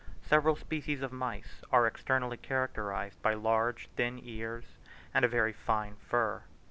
Several species of mice are externally characterized by large thin ears and a very fine fur.